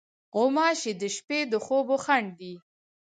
غوماشې د شپې د خوبو خنډ دي.